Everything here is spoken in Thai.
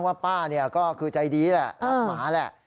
ว่าป้าก็คือใจดีแหละรักหมาแหละ